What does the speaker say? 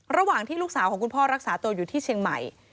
ระหว่างที่ลูกสาวของคุณพ่อรักษาตัวอยู่ที่เชียงใหม่